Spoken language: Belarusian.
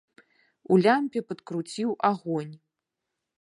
У лямпе падкруціў агонь.